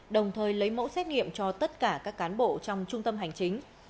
đồng thời lấy mẫu xét nghiệm cho tất cả các cán bộ trong trung tâm hành chính